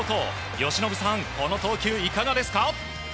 由伸さんこの投球いかがですか？